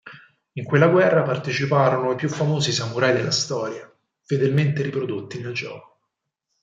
In quella guerra parteciparono i più famosi samurai della storia, fedelmente riprodotti nel gioco.